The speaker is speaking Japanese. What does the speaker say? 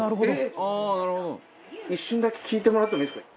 一瞬だけ聞いてもらってもいいですか？